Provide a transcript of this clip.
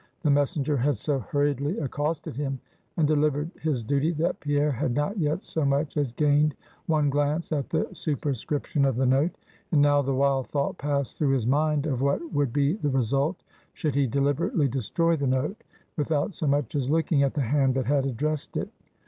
The messenger had so hurriedly accosted him, and delivered his duty, that Pierre had not yet so much as gained one glance at the superscription of the note. And now the wild thought passed through his mind of what would be the result, should he deliberately destroy the note, without so much as looking at the hand that had addressed it.